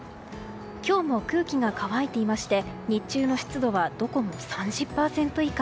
今日も空気が乾いていまして日中の湿度はどこも３０％以下。